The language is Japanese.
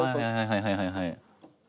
はいはいはいはい。